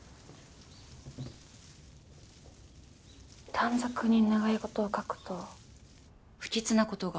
短冊に願い事を書くと不吉な事が起こる。